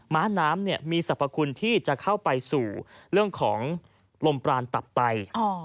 ้าน้ำมีสรรพคุณที่จะเข้าไปสู่เรื่องของลมปรานตับไต